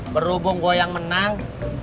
berhubung gua yang menang